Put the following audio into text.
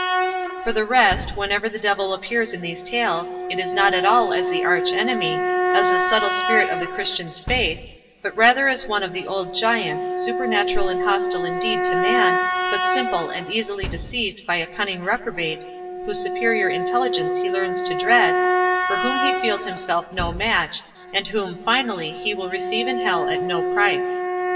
For the rest, whenever the Devil appears in these tales, it is not at all as the Arch enemy, as the subtle spirit of the Christian's faith, but rather as one of the old Giants, supernatural and hostile indeed to man, but simple and easily deceived by a cunning reprobate, whose superior intelligence he learns to dread, for whom he feels himself no match, and whom, finally, he will receive in Hell at no price.